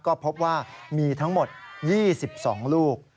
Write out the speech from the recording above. ก็พบว่ามีทั้งหมด๒๒ลูก